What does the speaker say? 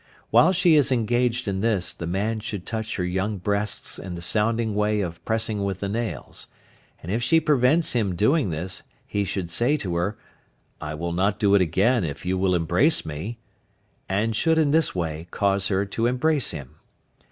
While she is engaged in this, the man should touch her young breasts in the sounding way of pressing with the nails, and if she prevents him doing this he should say to her, "I will not do it again if you will embrace me," and should in this way cause her to embrace him.